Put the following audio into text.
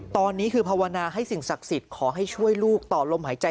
ตอนนี้คือภาวนาให้สิ่งศักดิ์สิทธิ์ขอให้ช่วยลูกต่อลมหายใจ